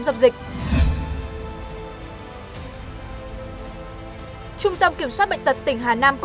đặc biệt là surrounding